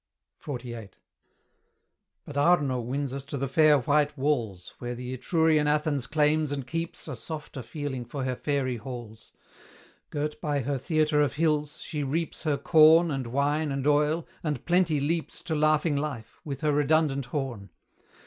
XLVIII. But Arno wins us to the fair white walls, Where the Etrurian Athens claims and keeps A softer feeling for her fairy halls. Girt by her theatre of hills, she reaps Her corn, and wine, and oil, and Plenty leaps To laughing life, with her redundant horn.